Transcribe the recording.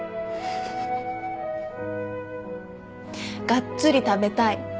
がっつり食べたい。